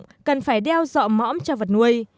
người dân cần phải đưa chó ngõm cho vật nuôi